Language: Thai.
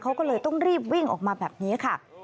เขาก็เลยต้องรีบวิ่งออกมาแบบนี้ค่ะ